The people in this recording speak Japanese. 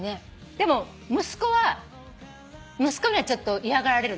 でも息子にはちょっと嫌がられる。